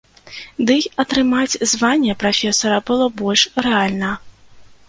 Дый атрымаць званне прафесара было больш рэальна.